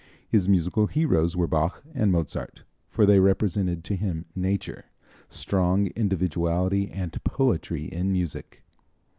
His musical heroes were Bach and Mozart, for they represented to him nature, strong individuality and poetry in music.